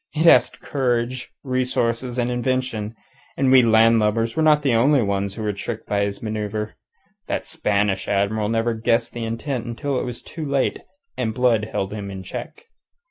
It asks courage, resource, and invention. And we land lubbers were not the only ones he tricked by his manoeuvre. That Spanish Admiral never guessed the intent until it was too late and Blood held him in check.